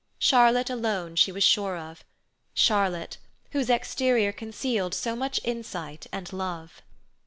Charlotte alone she was sure of—Charlotte, whose exterior concealed so much insight and love.